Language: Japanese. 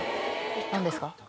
何ですか？